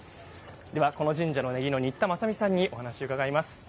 ではこの神社の禰宜の新田雅美さんにお話を伺います。